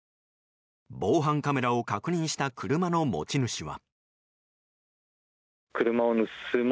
防犯カメラを確認した車の持ち主は。